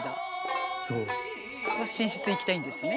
寝室行きたいんですね。